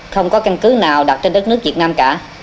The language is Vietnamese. không có căn cứ nào đặt trên đất nước việt nam cả